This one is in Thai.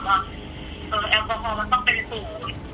ว่าแอลกอฮอล์มันต้องเป็นศูนย์